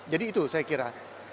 jadi itu saya kira